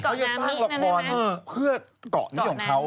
เขาจะสร้างละครเพื่อเกาะนิยมเขา